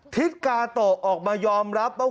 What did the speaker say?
ทิศกาโตะออกมายอมรับว่า